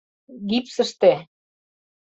Гипсыште.